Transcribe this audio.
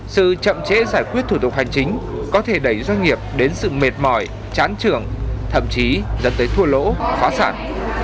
sự chậm chế giải quyết thủ tục hành chính có thể đẩy doanh nghiệp đến sự mệt mỏi chán trưởng thậm chí dẫn tới thua lỗ phá sản